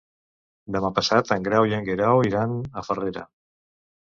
Demà passat en Grau i en Guerau iran a Farrera.